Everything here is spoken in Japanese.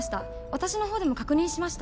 私の方でも確認しました。